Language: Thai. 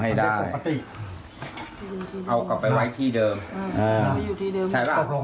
ให้ได้เอากลับไปไว้ที่เดิมเออเอาไปอยู่ที่เดิมใช่ปะตกลงแล้วน่ะ